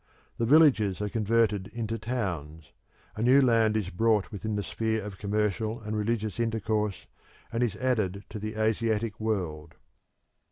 The villages are converted into towns; a new land is brought within the sphere of commercial and religious intercourse, and is added to the Asiatic world.